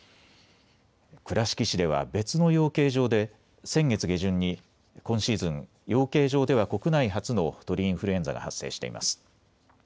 倉敷市では別の養鶏場で先月下旬に今シーズン、養鶏場では国内初の鳥インフルエンザが発生しています。